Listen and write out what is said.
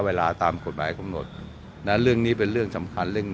เวลาตามกฎหมายกำหนดนะเรื่องนี้เป็นเรื่องสำคัญเรื่อง